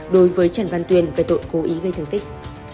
đối với trần văn tuyên về tội cố ý gây thương tích